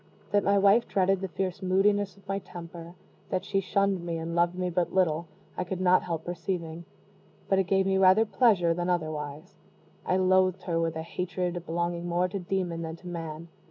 That my wife dreaded the fierce moodiness of my temper that she shunned me, and loved me but little I could not help perceiving; but it gave me rather pleasure than otherwise. I loathed her with a hatred belonging more to demon than to man.